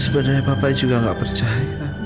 sebenernya papa juga gak percaya